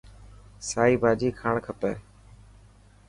سائي ڀاڄي کائڻ کپي.